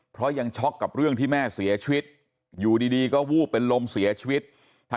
เพราะยังช็อกกับเรื่องที่แม่เสียชีวิตอยู่ดีก็วูบเป็นลมเสียชีวิต